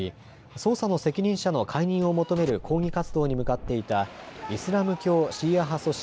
捜査の責任者の解任を求める抗議活動に向かっていたイスラム教シーア派組織